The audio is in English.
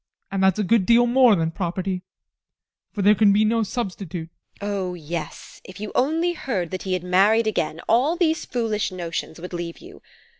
And that's a good deal more than property for there can be no substitute. TEKLA. Oh, yes! If you only heard that he had married again, all these foolish notions would leave you.